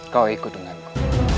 kau ikut dengan aku